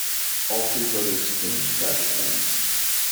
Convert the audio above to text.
All three brothers came to tragic ends.